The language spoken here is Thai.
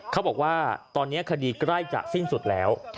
เขาบอกว่าตอนนี้คดีใกล้จะสิ้นสุดแล้ว